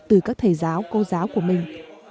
từ các thầy giảng viên của trường